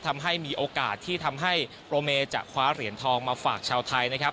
ทำให้มีโอกาสที่ทำให้โปรเมจะคว้าเหรียญทองมาฝากชาวไทยนะครับ